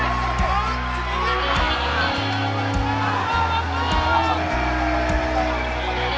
atau tidak bisa dimainkannya